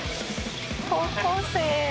「高校生」